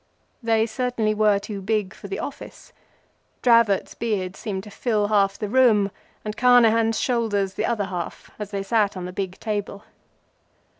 They certainly were too big for the office. Dravot's beard seemed to fill half the room and Carnehan's shoulders the other half, as they sat on the big table.